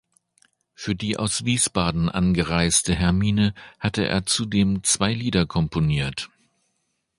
Für die aus Wiesbaden angereiste Hermine hatte er zudem zwei Lieder komponiert.